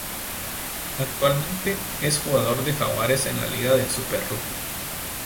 Actualmente, es jugador de Jaguares en la liga del Super Rugby.